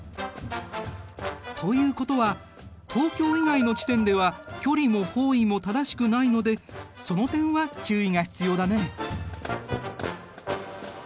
ということは東京以外の地点では距離も方位も正しくないのでその点は注意が必要だね。